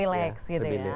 relax gitu ya